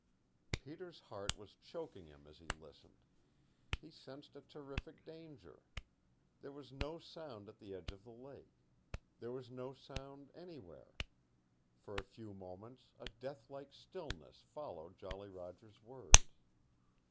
Peter's heart was choking him as he listened. He sensed a terrific danger. There was no sound at the edge of the lake. There was no sound anywhere. For a few moments a death like stillness followed Jolly Roger's words.